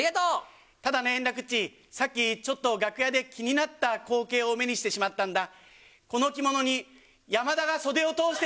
ただね、円楽っち、さっきちょっと楽屋で気になった光景を目にしてしまったんだ。